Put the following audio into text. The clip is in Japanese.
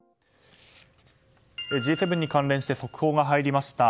Ｇ７に関連して速報が入りました。